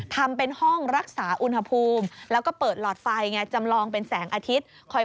ทำเป็นห้องรักษาอุณหภูมิแล้วก็เปิดหลอดไฟไงจำลองเป็นแสงอาทิตย์